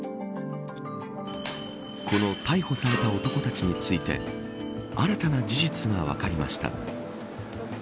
この逮捕された男たちについて新たな事実が分かりました。